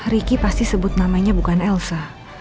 ricky pasti sebut namanya bukan elsa